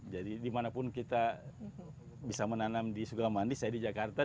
jadi dimanapun kita bisa menanam di sugamandi saya di jakarta